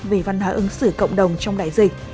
về văn hóa ứng xử cộng đồng trong đại dịch